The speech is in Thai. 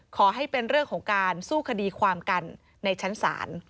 ขอให้เป็นเรื่องของการสู้คดีความกันในชั้นศาล